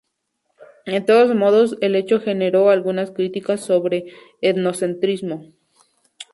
De todos modos, el hecho generó algunas críticas sobre etnocentrismo.